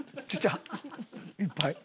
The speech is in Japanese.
いっぱい。